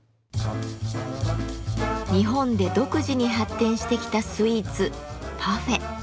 日本で独自に発展してきたスイーツ「パフェ」。